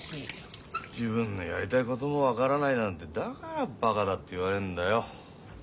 自分のやりたいことも分からないなんてだからバカだって言われんだよ。